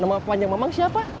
nama panjang memang siapa